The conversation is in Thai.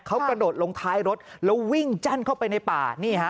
เขากระโดดลงท้ายรถแล้ววิ่งจั้นเข้าไปในป่านี่ฮะ